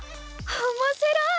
おもしろい！